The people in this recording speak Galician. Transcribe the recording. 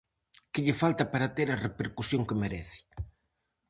Que lle falta para ter a repercusión que merece?